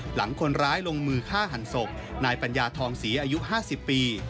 หลังคนร้ายลงมือฆ่าหันศพนายปัญญาทองศรีอายุ๕๐ปี